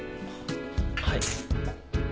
はい。